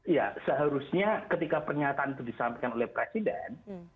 ya seharusnya ketika pernyataan itu disampaikan oleh presiden